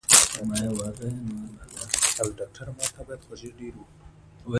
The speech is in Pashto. ته ولي په خبره سر نه خلاصوې؟